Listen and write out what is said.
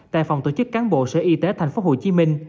tại phòng tổ chức cán bộ sở y tế tp hcm